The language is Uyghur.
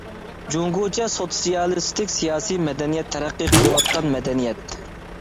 جۇڭگوچە سوتسىيالىستىك سىياسىي مەدەنىيەت تەرەققىي قىلىۋاتقان مەدەنىيەت.